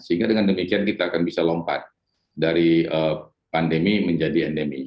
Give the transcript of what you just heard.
sehingga dengan demikian kita akan bisa lompat dari pandemi menjadi endemi